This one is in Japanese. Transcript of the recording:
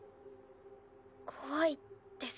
怖いです。